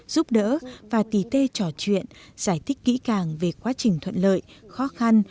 giúp đỡ và tì tê trò chuyện giải thích kỹ càng về quá trình thuận lợi khó khăn